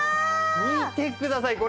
見てくださいこれ。